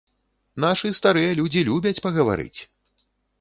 Нашы старыя людзі любяць пагаварыць!